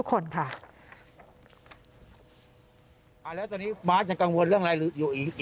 ขอบคุณทั้งหมอปลาเสียเปียรวมถึงผู้ได้เหลือทุกคนค่ะ